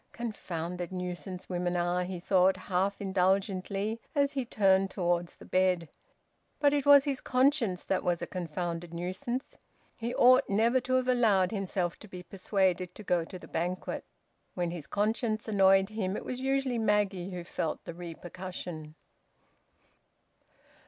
"Confounded nuisance women are!" he thought, half indulgently, as he turned towards the bed. But it was his conscience that was a confounded nuisance. He ought never to have allowed himself to be persuaded to go to the banquet. When his conscience annoyed him, it was usually Maggie who felt the repercussion.